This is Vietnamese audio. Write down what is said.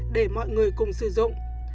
để mọi người cùng sử dụng